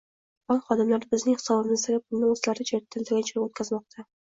Bank xodimlari bizning hisobimizdagi pulni o'zlari tanlagan joyga o'tkazmoqda